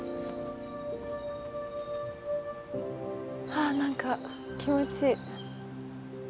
ああ何か気持ちいい。